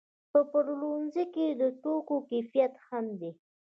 په پلورنځي کې د توکو کیفیت مهم دی.